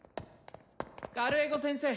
カルエゴ先生！